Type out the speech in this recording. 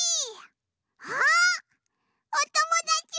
あっおともだちも。